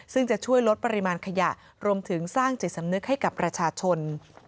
ซึ่งจะช่วยลดปริมาณขยะรวมถึงสร้างจิตสำนึกให้กับประชาชน